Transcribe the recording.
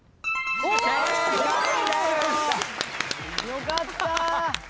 よかった！